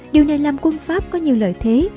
điều này làm quân pháp có nhiều lợi thế